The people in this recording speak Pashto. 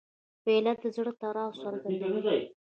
پیاله د زړه تړاو څرګندوي.